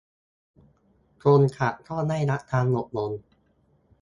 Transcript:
คนขับก็ได้รับการอบรม